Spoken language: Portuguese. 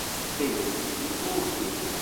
Bem, então o que?